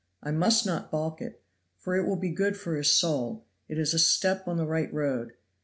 I must not balk it, for it will be good for his soul; it is a step on the right road.